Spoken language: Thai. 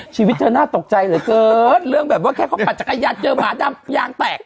ชีวิตเธอน่าตกใจเหลือเกินเรื่องแบบว่าแค่เขาปั่นจักรยานเจอหมาดำยางแตก